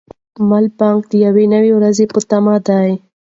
ملا بانګ د یوې نوې ورځې په تمه دی.